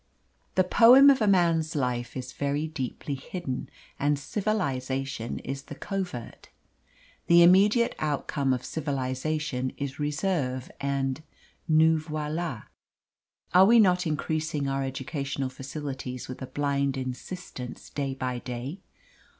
The poem of a man's life is very deeply hidden, and civilisation is the covert. The immediate outcome of civilisation is reserve and nous voila. Are we not increasing our educational facilities with a blind insistence day by day?